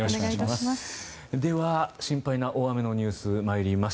では、心配な大雨のニュース参ります。